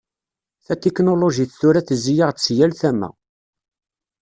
Tatiknulujit tura tezzi-aɣ-d si yal tama.